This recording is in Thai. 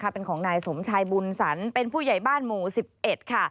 เป็นของนายสมชายบุญสรรเป็นผู้ใหญ่บ้านหมู่๑๑ค่ะ